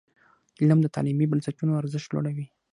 علم د تعلیمي بنسټونو ارزښت لوړوي.